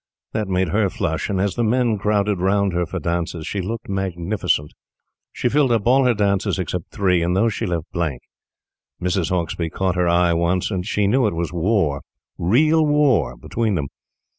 That made her flush, and as the men crowded round her for dances she looked magnificent. She filled up all her dances except three, and those she left blank. Mrs. Hauksbee caught her eye once; and she knew it was war real war between them.